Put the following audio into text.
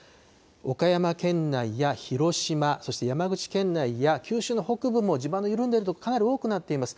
岡山県内や広島、そして山口県内や九州の北部も地盤の緩んでいる所、かなり多くなっています。